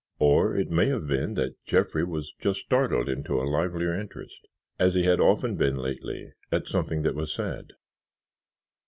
Or it may have been that Jeffrey was just startled into a livelier interest, as he had often been lately, at something that was said.